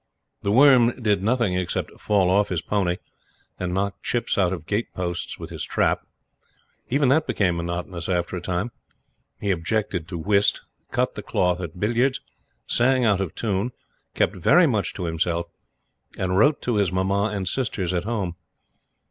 The Worm did nothing except fall off his pony, and knock chips out of gate posts with his trap. Even that became monotonous after a time. He objected to whist, cut the cloth at billiards, sang out of tune, kept very much to himself, and wrote to his Mamma and sisters at Home.